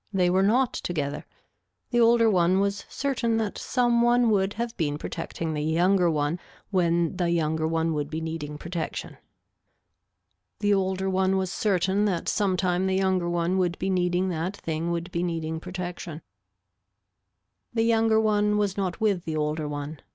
They were not together. The older one was certain that some one would have been protecting the younger one when they younger one would be needing protection. The older one was certain that sometime the younger one would be needing that thing would be needing protection. The younger one was not with the older one.